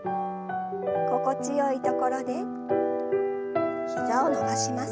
心地よいところで膝を伸ばします。